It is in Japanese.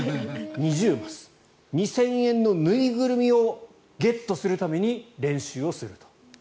２０マス２０００円の縫いぐるみをゲットするために練習をすると。